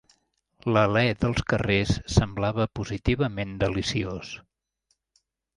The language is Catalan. L'alè dels carrers semblava positivament deliciós.